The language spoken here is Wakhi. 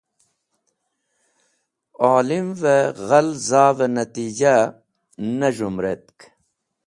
Olimvẽ ghal zavẽ natija ne z̃hẽmũretk